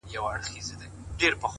• زارۍ،